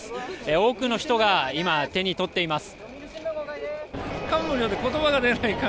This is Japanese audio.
多くの人が今、手に取っています。